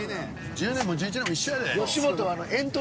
「１０年も１１年も一緒やで」。